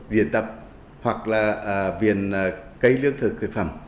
diện tập hoặc là viện cây lưỡng thực thực phẩm